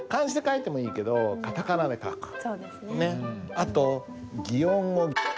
あと擬音語。